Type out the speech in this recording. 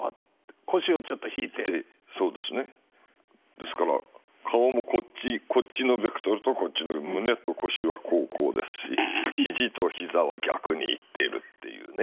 ですから顔もこっちこっちのベクトルとこっちの胸と腰はこうこうですし肘と膝は逆に行っているっていうね。